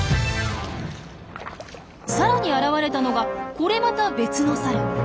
さらに現れたのがこれまた別のサル。